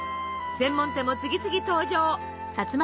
専門店も次々登場。